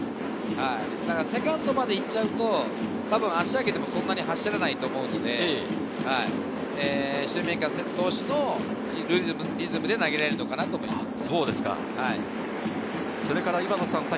セカンドまで行っちゃうと足を上げてもそんなに走らないと思うので、シューメーカー投手のいいリズムで投げられるのかなと思います。